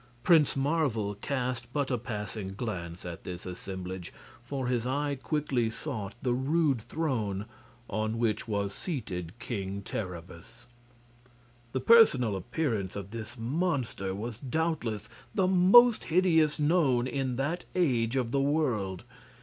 Prince Marvel cast but a passing glance at this assemblage, for his eye quickly sought the rude throne on which was seated King Terribus. The personal appearance of this monster was doubtless the most hideous known in that age of the world.